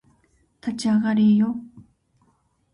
立ち上がりーよ